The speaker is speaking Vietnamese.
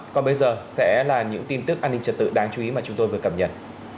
còn bây giờ sẽ là những tin tức an ninh trật tự đáng chú ý mà chúng tôi vừa cập nhật